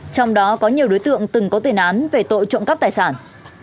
trong đó có nhiều đối tượng từng có tiền án về tội trộm cắp tài sản